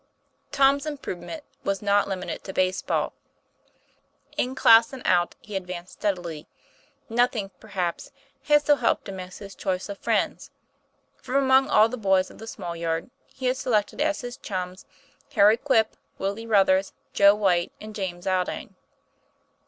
TOM'S improvement was not limited to base ball. In class and out, he advanced steadily. Noth ing, perhaps, had so helped him as his choice of friends. From among all the boys of the small yard, he had selected as his chums Harry Quip, Willie Ruthers, Joe Whyte, and James Aldine.